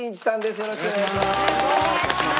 よろしくお願いします。